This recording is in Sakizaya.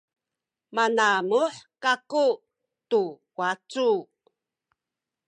manamuh kaku tu wacu